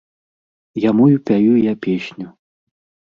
Яму і пяю я песню.